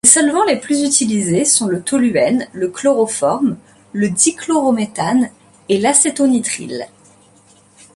Les solvants les plus utilisés sont le toluène, le chloroforme, le dichlorométhane et l’acétonitrile.